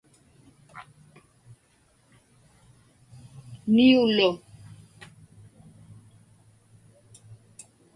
niulu